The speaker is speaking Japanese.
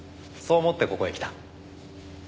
そう思ってここへ来た。